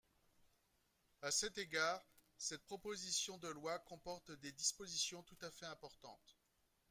À cet égard, cette proposition de loi comporte des dispositions tout à fait importantes.